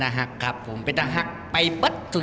ด้วยนึกยังไงนะคะได้มาเจอสาว